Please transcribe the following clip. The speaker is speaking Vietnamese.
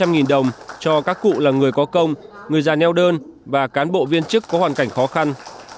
mỗi xuất ba trăm linh đồng cho các cụ là người có công người già neo đơn và cán bộ viên chức có hoàn cảnh khó khăn